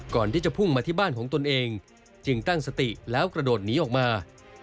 ก่อนที่จะพุ่งมาที่บ้านของตนเองจึงตั้งสติแล้วกระโดดหนีออกมา